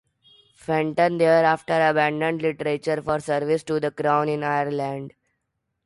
Fenton thereafter abandoned literature for service to the Crown in Ireland.